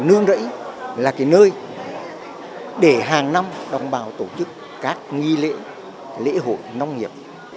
nương rẫy là cái nơi để hàng năm đồng bào tổ chức các nghi lễ lễ hội nông nghiệp